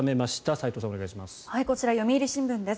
斎藤さん、お願いします。